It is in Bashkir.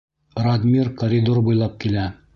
Радмир коридор буйлап килә!..